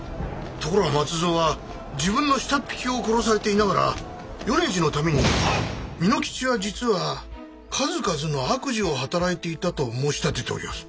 ところが松蔵は自分の下っ引きを殺されていながら米次のために「蓑吉は実は数々の悪事を働いていた」と申し立てておりやす。